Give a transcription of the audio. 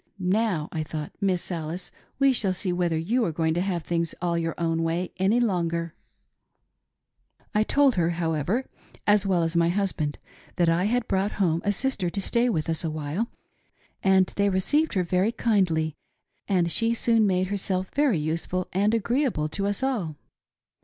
Now — I thought — Miss Alice, we shall see whether you are going to have things all your own way any longer !" I told her, however, as well as my husband, that I had brought home a sister to stay with us awhile, and they received her very kindly, and she soon made herself very useful and agreeable to us all.